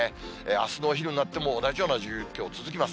あすのお昼になっても、同じような状況続きます。